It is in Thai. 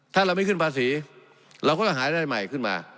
ถ้าเราไม่ขึ้นภาษีเราก็จะหารายได้ใหม่ขึ้นมา